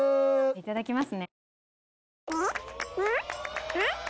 いただきます。